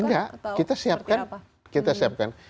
nggak kita siapkan